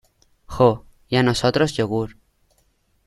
jo. y a nosotros yogur .